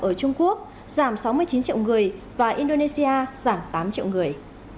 ở trung quốc giảm sáu mươi chín triệu người và indonesia giảm tám triệu người